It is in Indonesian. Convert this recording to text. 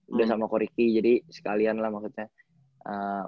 udah sama ko riki jadi sekalian lah maksudnya